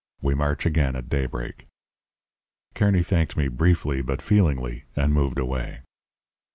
We march again at daybreak.' "Kearny thanked me briefly but feelingly and moved away.